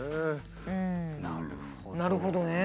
うんなるほどね。